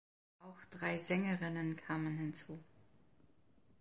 Auch drei Sängerinnen kamen hinzu.